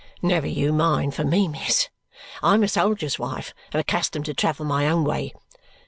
"Never you mind for me, miss. I'm a soldier's wife and accustomed to travel my own way.